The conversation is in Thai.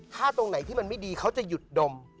ถ้าตรงไหนที่มันไม่ดีเขาจะหยุดดม